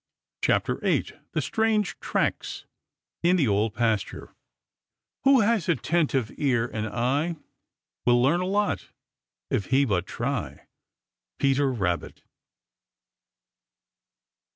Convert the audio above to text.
CHAPTER VIII THE STRANGE TRACKS IN THE OLD PASTURE Who has attentive ear and eye Will learn a lot if he but try. Peter Rabbit.